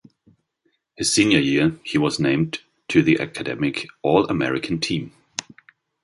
His senior year, he was named to the Academic All-American team.